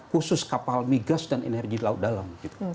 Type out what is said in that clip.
khusus kapal migas dan energi di laut dalam